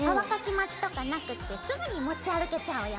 待ちとかなくってすぐに持ち歩けちゃうよ。